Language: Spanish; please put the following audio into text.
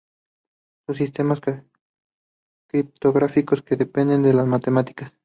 son sistemas criptográficos que dependen de las matemáticas